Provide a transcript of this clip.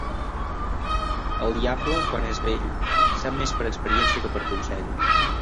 El diable, quan és vell, sap més per experiència que per consell.